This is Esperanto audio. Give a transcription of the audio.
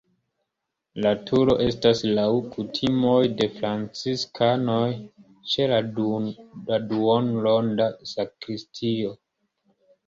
La turo estas laŭ kutimoj de franciskanoj ĉe la duonronda sakristio.